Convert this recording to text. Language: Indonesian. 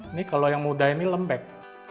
ini kalau yang muda ini lembek